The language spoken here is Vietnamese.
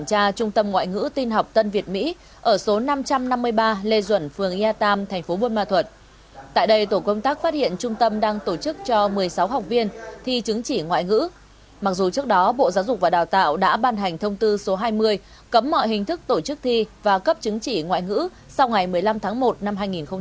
các bộ giáo dục và đào tạo đã ban hành thông tư số hai mươi cấm mọi hình thức tổ chức thi và cấp chứng chỉ ngoại ngữ sau ngày một mươi năm tháng một năm hai nghìn hai mươi